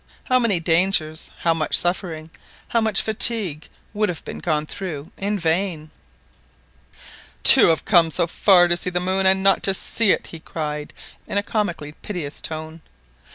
How many dangers, how much suffering, how much fatigue, would have been gone through in vain ! "To have come so far to see the moon, and not to see it!" he cried in a comically piteous tone.